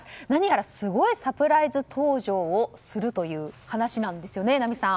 何やらすごいサプライズ登場をするという話なんですよね。